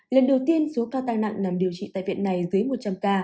lần đầu tiên số ca tai nặng nằm điều trị tại viện này dưới một trăm linh ca